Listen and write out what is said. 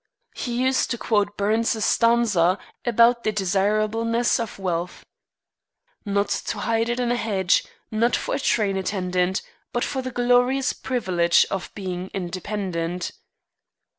He used to quote Burns's stanza about the desirableness of wealth: "Not to hide it in a hedge, Nor for a train attendant; But for the glorious privilege Of being independent."